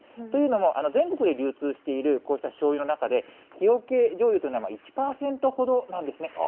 というのも、全国で流通しているこうしたしょうゆの中で、木おけじょうゆというのは１％ほどなんですね。